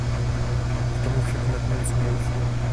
K tomu však nakonec nedošlo.